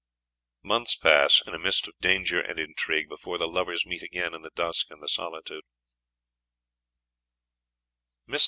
Months pass, in a mist of danger and intrigue, before the lovers meet again in the dusk and the solitude.